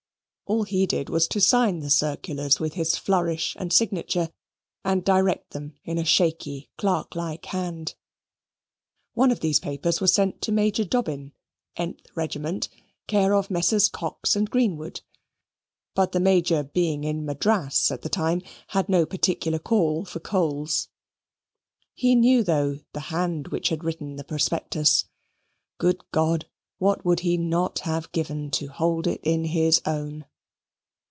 All he did was to sign the circulars with his flourish and signature, and direct them in a shaky, clerklike hand. One of these papers was sent to Major Dobbin, Regt., care of Messrs. Cox and Greenwood; but the Major being in Madras at the time, had no particular call for coals. He knew, though, the hand which had written the prospectus. Good God! what would he not have given to hold it in his own!